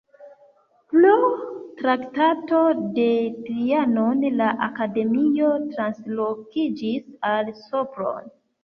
Pro Traktato de Trianon la akademio translokiĝis al Sopron.